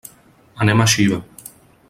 Anem a Xiva.